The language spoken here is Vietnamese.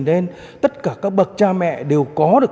nên tất cả các bậc cha mẹ đều có được